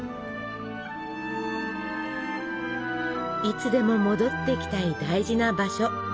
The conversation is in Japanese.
いつでも戻ってきたい大事な場所。